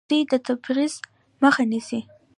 دوی د تبعیض مخه نیسي.